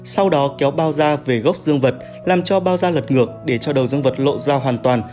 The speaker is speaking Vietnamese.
sau đó kéo bao ra về gốc dương vật làm cho bao ra lật ngược để cho đầu dương vật lộ ra hoàn toàn